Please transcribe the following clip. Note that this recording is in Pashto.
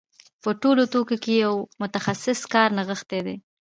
په ټولو توکو کې د یو متخصص کار نغښتی دی